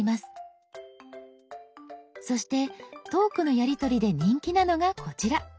そしてトークのやりとりで人気なのがこちら。